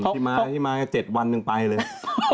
ที่มา๗วันหนึ่งไปเลย